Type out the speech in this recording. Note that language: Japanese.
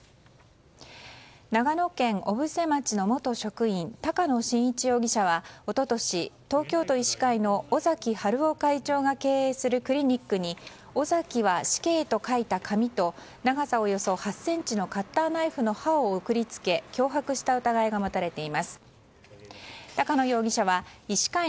長野県小布施町の元職員高野伸一容疑者は一昨年、東京都医師会の尾崎治夫会長が経営するクリニックに「オザキハシケイ」と書いた紙と長さおよそ８ｃｍのカッターナイフの刃を送り付け大きくなったチャーシューの麺屋こころ